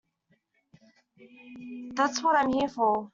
That's what I'm here for.